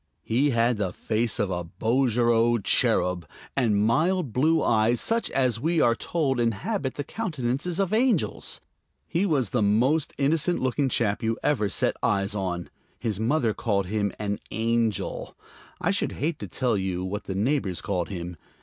He had the face of a Bouguereau cherub, and mild blue eyes such as we are told inhabit the countenances of angels. He was the most innocent looking chap you ever set eyes on. His mother called him an angel; I should hate to tell you what the neighbors called him.